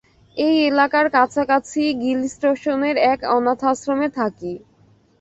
এই এলাকার কাছাকাছিই গিলস্টনের এক অনাথাশ্রমে থাকি।